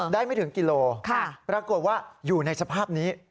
ไม่ถึงกิโลปรากฏว่าอยู่ในสภาพนี้